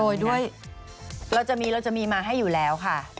โรยด้วยเราจะมีมาให้อยู่แล้วค่ะ